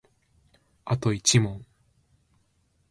あと一問